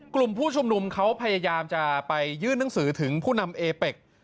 กลุ่มผู้ชุมนุมเขาพยายามจะไปยื่นหนังสือถึงผู้นำเอเป็ก